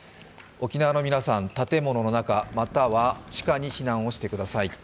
沖縄の皆さん、建物の中、または地下に避難をしてください。